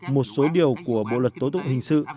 một số điều của bộ luật tố tụng hình sự